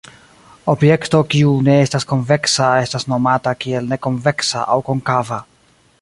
Objekto kiu ne estas konveksa estas nomata kiel ne konveksa aŭ konkava.